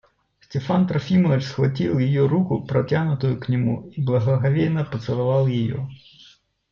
Степан Трофимович схватил ее руку, протянутую к нему, и благоговейно поцеловал ее.